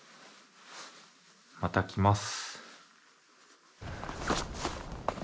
また来ます。